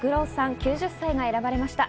９０歳が選ばれました。